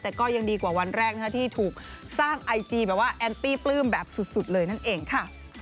แต่ก็ยังดีกว่าวันแรกที่ถูกสร้างไอจีแบบว่าแอนตี้ปลื้มแบบสุดเลยนั่นเองค่ะ